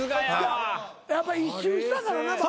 やっぱ一周したからな番組。